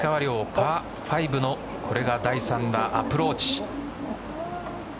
パー５のこれが第３打アプローチ。